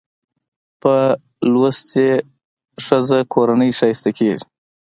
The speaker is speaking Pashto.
په لوستې ښځه کورنۍ ښايسته کېږي